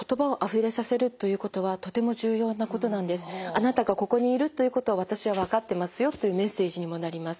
あのあなたがここにいるということを私は分かってますよというメッセージにもなります。